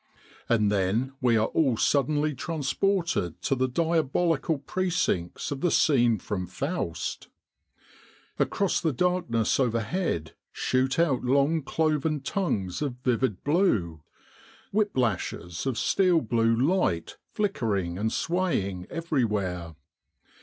And then we are all suddenly transported to the diabolical precincts of the scene from Faust. Across the dark ness overhead shoot out long cloven tongues of vivid blue whip lashes of steel blue light flickering and swaying everywhere.